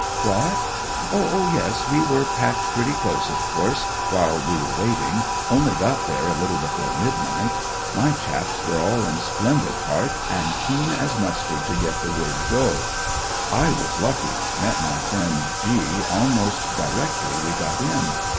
What ? Oh, yes, we were packed pretty close, of course, while we were waiting; only got there a little before midnight. My chaps were all in splendid heart, and keen as mustard to get the word * Go !' I was lucky ; met my friend G almost directly we got in.